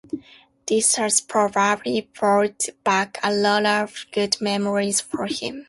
This has probably brought back a lot of good memories for him.